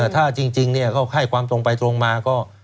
ถ้าจริงก็ให้ความตรงไปตรงมาก็